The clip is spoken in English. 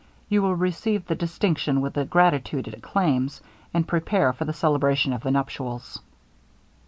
You will receive the distinction with the gratitude it claims, and prepare for the celebration of the nuptials.'